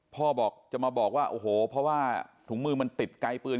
พ่อบอกจะมาบอกว่าโอ้โหเพราะว่าถุงมือมันติดไกลปืน